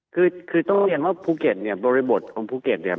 คือคือต้องเรียนว่าภูเก็ตเนี่ยบริบทของภูเก็ตเนี่ย